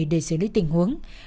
để xử lý tình huống